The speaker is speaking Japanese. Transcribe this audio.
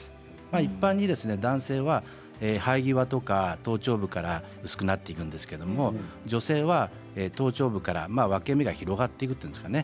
一般に男性は生え際とか頭頂部から薄くなっていくんですけれども女性は頭頂部から分け目が広がっていくというんですかね。